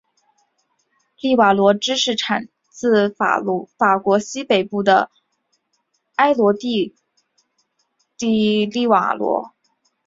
利瓦罗芝士产自法国西北部的诺曼第的利瓦罗。